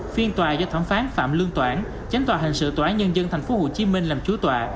phiên tòa do thẩm phán phạm lương toản tránh tòa hành sự tòa nhân dân tp hcm làm chúa tòa